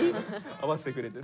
合わせてくれてる。